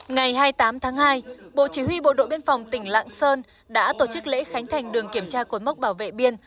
ngày hai mươi tám tháng hai bộ chỉ huy bộ đội biên phòng tỉnh lạng sơn đã tổ chức lễ khánh thành đường kiểm tra cột mốc bảo vệ biên